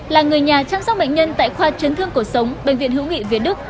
là người nhà chăm sóc bệnh nhân tại khoa trấn thương cổ sống bệnh viện hữu nghị việt đức